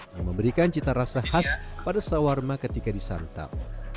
yang memberikan cita rasa khas pada sawarma ketika disantap